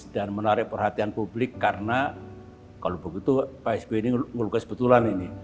dan menarik perhatian publik karena kalau begitu pak s b ini melukis betulan ini